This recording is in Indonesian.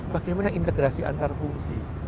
bagaimana integrasi antar fungsi